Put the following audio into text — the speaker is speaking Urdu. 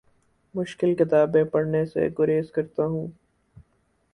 مشکل کتابیں پڑھنے سے گریز کرتا ہوں